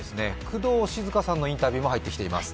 工藤静香さんのインタビューも入ってきています。